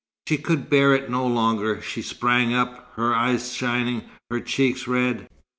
She could bear it no longer. She sprang up, her eyes shining, her cheeks red.